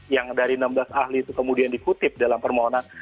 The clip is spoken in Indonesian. yang dari enam belas ahli itu kemudian dikutip dalam permohonan